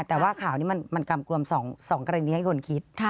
แต่ว่าข่าวนี้มันกำกลวม๒กรณีให้คนคิด